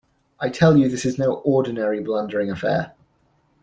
I tell you this is no ordinary blundering affair.